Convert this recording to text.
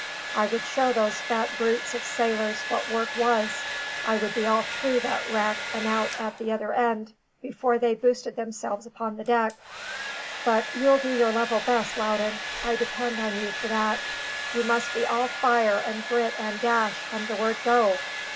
I would show these fat brutes of sailors what work was; I would be all through that wreck and out at the other end, before they had boosted themselves upon the deck! But you'll do your level best, Loudon; I depend on you for that. You must be all fire and grit and dash from the word 'go.'